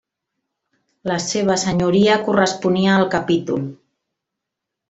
La seva senyoria corresponia al capítol.